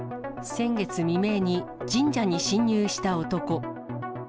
先月未明に神社に侵入した男。